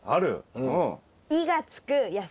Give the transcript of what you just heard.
うん。